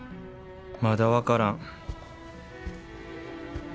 まだ分からん。